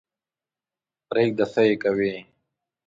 پرېږده څه یې کوې.